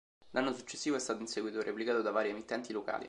L'anno successivo è stato in seguito replicato da varie emittenti locali..